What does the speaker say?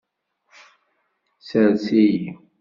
Sers-iyi.